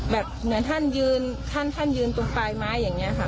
เหมือนท่านยืนท่านท่านยืนตรงปลายไม้อย่างนี้ค่ะ